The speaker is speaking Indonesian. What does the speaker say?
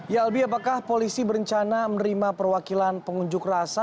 ya albi apakah polisi berencana menerima perwakilan pengunjuk rasa